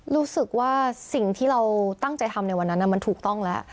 รู้สึกว่าสิ่งที่เราตั้งใจทำในวันนั้นมันถูกต้องแล้ว